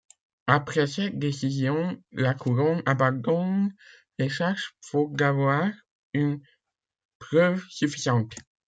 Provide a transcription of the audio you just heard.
Après cette décision, la Couronne abandonne les charges faute d'avoir une preuve suffisante.